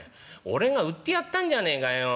俺が売ってやったんじゃねえかよ。